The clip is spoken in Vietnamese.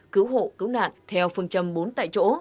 cứu hộ cứu nạn theo phương châm bốn tại chỗ